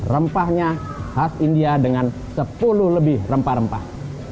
rempahnya khas india dengan sepuluh lebih rempah rempah